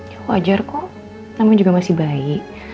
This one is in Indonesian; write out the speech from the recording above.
ya wajar kok namanya juga masih bayi